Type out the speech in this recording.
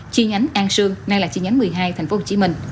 chi nhánh an sương nay là chi nhánh một mươi hai tp hcm